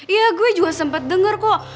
iya gue juga sempet denger kok